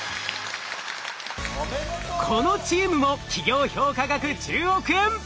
このチームも企業評価額１０億円！